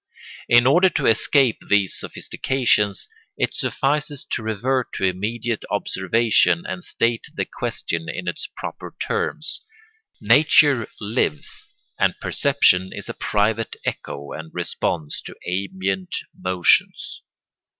In order to escape these sophistications, it suffices to revert to immediate observation and state the question in its proper terms: nature lives, and perception is a private echo and response to ambient motions.